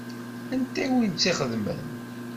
Anta i wen-tt-ixedmen?